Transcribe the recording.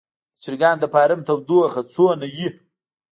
د چرګانو د فارم تودوخه څومره وي؟